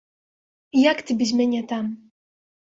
Як ты без мяне там?